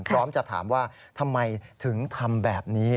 พร้อมจะถามว่าทำไมถึงทำแบบนี้